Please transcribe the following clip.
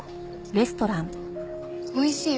おいしい！